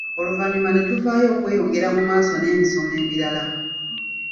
Oluvannyuma ne tuvaayo okweyongera mu maaso n’emisomo emirala.